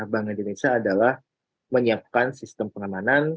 bank indonesia adalah menyiapkan sistem pengamanan